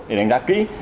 để đánh giá kỹ